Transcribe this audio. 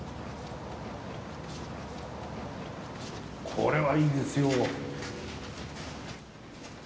これはいいですよ。